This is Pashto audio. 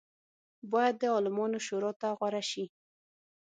باید د عالمانو شورا ته غوره شي.